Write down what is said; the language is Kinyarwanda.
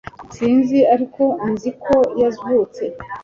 Sinzi ariko nzi ko yavutse